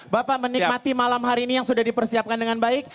bapak menikmati malam hari ini yang sudah dipersiapkan dengan baik